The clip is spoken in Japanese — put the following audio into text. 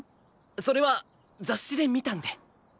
それは雑誌で見たんで。